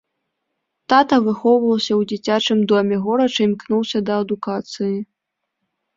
Тата выхоўваўся ў дзіцячым доме, горача імкнуўся да адукацыі.